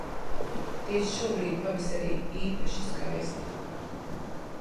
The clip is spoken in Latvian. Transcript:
Tieši šobrīd pavasarī īpaši skaisti.